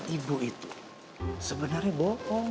ibu itu sebenarnya bohong